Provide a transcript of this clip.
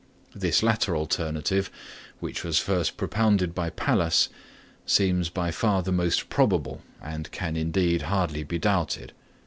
This latter alternative, which was first propounded by Pallas, seems by far the most probable, and can, indeed, hardly be doubted.